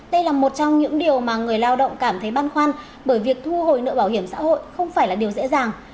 đây là một trong những điều mà người lao động cảm thấy băn khoăn bởi việc thu hồi nợ bảo hiểm xã hội không phải là điều dễ dàng